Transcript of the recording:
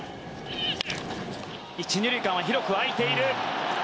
１・２塁間は広く空いている。